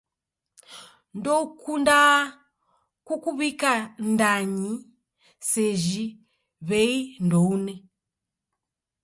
Ndoukundaa kukuw'ika ndanyi seji w'ei ndoune.